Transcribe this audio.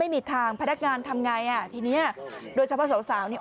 ไม่มีทางพนักงานทำไงอ่ะทีเนี้ยโดยเฉพาะสาวสาวเนี่ย